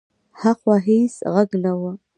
هاخوا هېڅ غږ نه و.